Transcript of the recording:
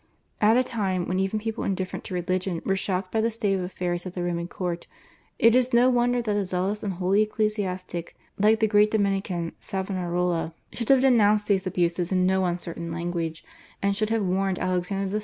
At a time when even people indifferent to religion were shocked by the state of affairs at the Roman Court, it is no wonder that a zealous and holy ecclesiastic like the great Dominican Savonarola should have denounced these abuses in no uncertain language, and should have warned Alexander VI.